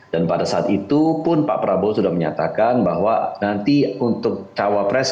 dan pada saat itu pun pak prabowo sudah menyatakan bahwa nanti untuk cawa pres